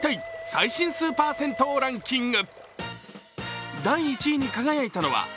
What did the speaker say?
最新スーパー銭湯ランキング」。